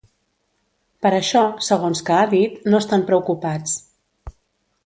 Per això, segons que ha dit, no estan preocupats.